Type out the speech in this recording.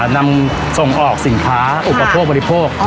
นำส่งออกสินค้าอุปโภคบริโภค